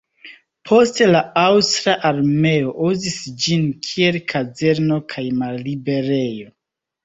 Poste la aŭstra armeo uzis ĝin kiel kazerno kaj malliberejo.